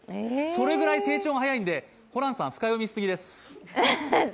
それくらい成長が早いのでホランさん、深読みしすぎです。